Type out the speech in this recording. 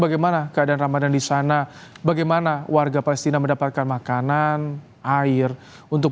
bagaimana keadaan ramadhan di sana bagaimana warga palestina mendapatkan makanan air untuk